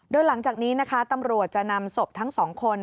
โดยหลังจากนี้นะคะตำรวจจะนำศพทั้งสองคน